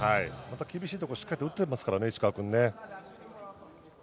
厳しいところ、しっかり打てていますからね、石川君ね。